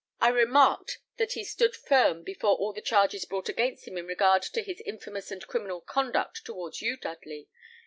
I remarked that he stood firm before all the charges brought against him in regard to his infamous and criminal conduct towards you, Dudley.